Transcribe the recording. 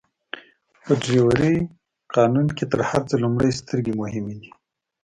په ډرایورۍ قانون کي تر هر څه لومړئ سترګي مهمه دي.